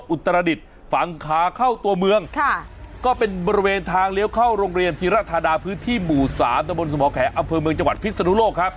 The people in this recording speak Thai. อุตสาหรับตระบวนสมขแขนอเภอเมืองจังหวัดพิศนุโลกครับ